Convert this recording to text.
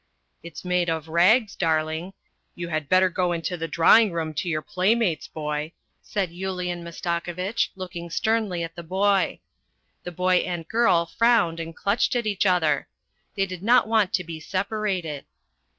" It's made of rags, darling. You had better go into the drawing room to your playmates, boy," said Yulian Mastako vitch, looking sternly at the boy. The boy and girl frowned and clutched at each other. They did not want to be separated.